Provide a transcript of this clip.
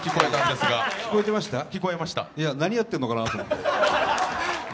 いや、何やってんのかなって思って。